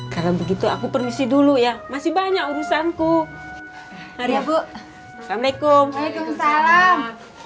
kalau begitu aku permisi dulu ya masih banyak urusan ku hari abu assalamualaikum waalaikumsalam